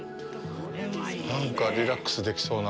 なんか、リラックスできそうな。